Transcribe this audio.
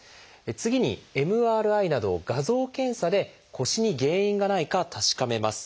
次に「ＭＲＩなど画像検査」で腰に原因がないか確かめます。